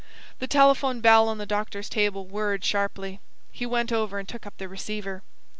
The telephone bell on the doctor's table whirred sharply. He went over and took up the receiver.